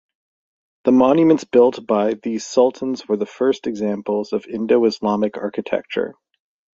The monuments built by these Sultans were the first examples of Indo-Islamic Architecture.